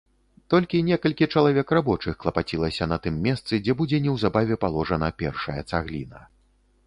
Толькі некалькі чалавек рабочых клапацілася на тым месцы, дзе будзе неўзабаве паложана першая цагліна.